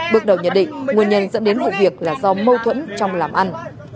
bước đầu nhận định nguyên nhân dẫn đến vụ việc là do mâu thuẫn trong làm ăn